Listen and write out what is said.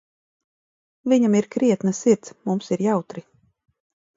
Viņam ir krietna sirds, mums ir jautri.